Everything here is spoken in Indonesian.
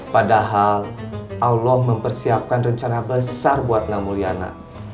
padahal allah mempersiapkan rencana besar buat namulyana